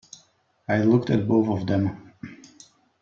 I looked at both of them.